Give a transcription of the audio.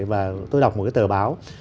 và tôi đọc một cái tờ báo